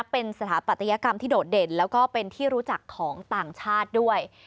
เป็นสถาปัตยกรรมที่โดดเด่นแล้วก็เป็นที่รู้จักของต่างชาติด้วย